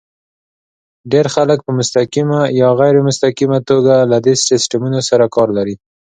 ډېر خلک په مستقیمه یا غیر مستقیمه توګه له دې سیسټمونو سره کار لري.